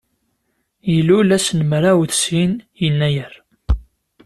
Ilul ass n mraw d sin yennayer.